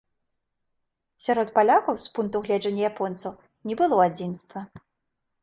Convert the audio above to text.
Сярод палякаў, з пункту гледжання японцаў, не было адзінства.